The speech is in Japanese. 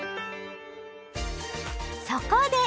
そこで！